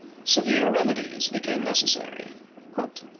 Severe remedies became neces sary.